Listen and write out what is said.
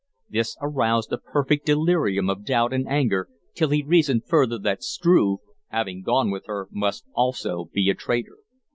This aroused a perfect delirium of doubt and anger till he reasoned further that Struve, having gone with her, must also be a traitor.